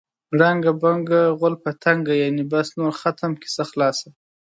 ړنګه بنګه غول په تنګه. یعنې بس نور ختم، کیسه خلاصه.